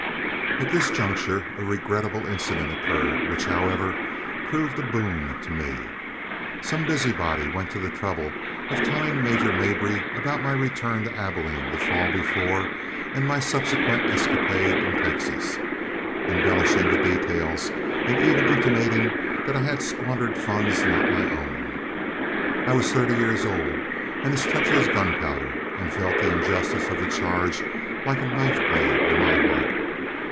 At this juncture a regrettable incident occurred, which, however, proved a boon to me. Some busybody went to the trouble of telling Major Mabry about my return to Abilene the fall before and my subsequent escapade in Texas, embellishing the details and even intimating that I had squandered funds not my own. I was thirty years old and as touchy as gunpowder, and felt the injustice of the charge like a knife blade in my heart.